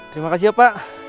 terima kasih ya pak